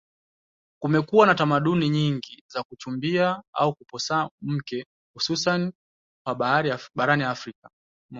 kumekuwa na tamaduni nyingi za kuchumbia au kuposa mwanamke hususani hapa barani afrika